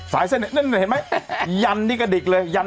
ตัวนี้เห็นไหมยันที่กระดิกเลย